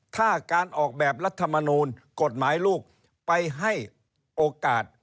ถ้าการออกแบบรัฐมนูลกฎหมายลูกไปให้โอกาส